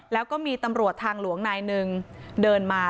แล้วก็มีตำรวจทางหลวงนายหนึ่งเดินมา